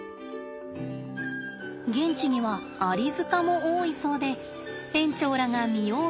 現地にはアリ塚も多いそうで園長らが見よう